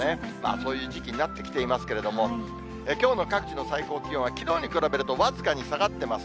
そういう時期になってきていますけれども、きょうの各地の最高気温はきのうに比べると僅かに下がってます。